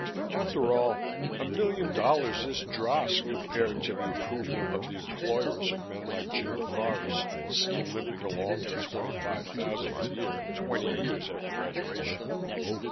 After all, a million dollars is dross compared to the approval of the employers of men like Jim DeForest, still limping along on twenty five thousand a year twenty years after graduation.